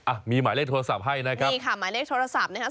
อ่ะมีหมายเลขโทรศัพท์ให้นะครับนี่ค่ะหมายเลขโทรศัพท์นะครับ